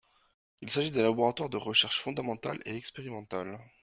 Il s’agit d’un laboratoire de recherche fondamentale et expérimentale.